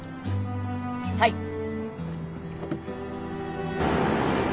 はい。